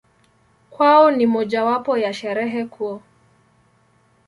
Kwao ni mojawapo ya Sherehe kuu.